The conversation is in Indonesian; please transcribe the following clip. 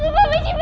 aku benci banget